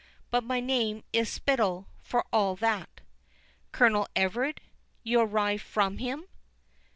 But my name is Spittal for all that." "Colonel Everard? arrive you from him?"